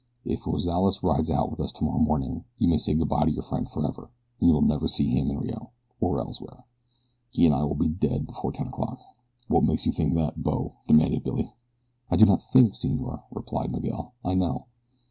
If Rozales rides out with us tomorrow morning you may say good bye to your friend forever, for you will never see him in Rio, or elsewhere. He and I will be dead before ten o'clock." "What makes you think that, bo?" demanded Billy. "I do not think, senor," replied Miguel; "I know."